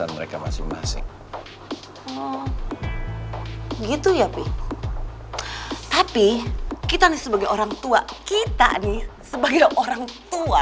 mereka masing masing gitu tapi kita sebagai orang tua kita nih sebagai orang tua